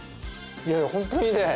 いやいやホントにね。